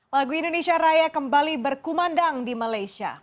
lagu indonesia raya kembali berkumandang di malaysia